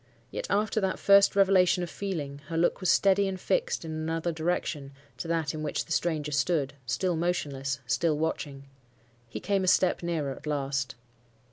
Yet after that first revelation of feeling, her look was steady and fixed in another direction to that in which the stranger stood,—still motionless—still watching. He came a step nearer at last.